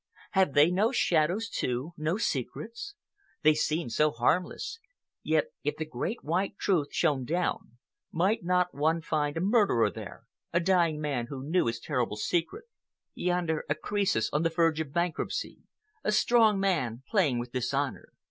Have they no shadows, too, no secrets? They seem so harmless, yet if the great white truth shone down, might one not find a murderer there, a dying man who knew his terrible secret, yonder a Croesus on the verge of bankruptcy, a strong man playing with dishonor?